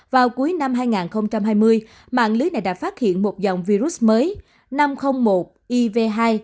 vào cuối năm hai nghìn hai mươi mạng lưới này đã phát hiện một dòng virus mới năm trăm linh một iv hai